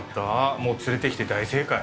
もう連れて大正解。